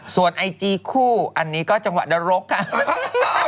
ส่วนไอจีคู่อันนี้ก็จังหวะนรกค่ะ